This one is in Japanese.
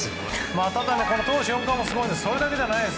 ただ投手４冠もすごいですけどそれだけじゃないです